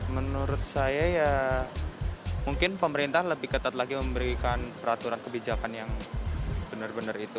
menurut saya ya mungkin pemerintah lebih ketat lagi memberikan peraturan kebijakan yang benar benar itu